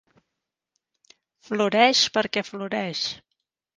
Floreix perquè floreix.